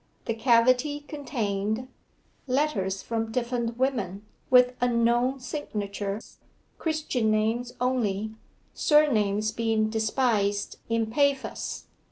The cavity contained Letters from different women, with unknown signatures, Christian names only (surnames being despised in Paphos).